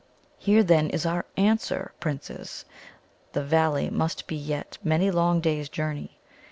Here, then, is our answer, Princes: The valleys must be yet many long days' journey.